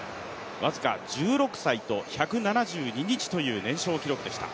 僅か１６歳と１７２日という年少記録でした。